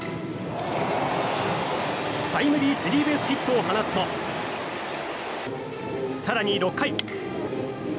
タイムリースリーベースヒットを放つと、更に６回。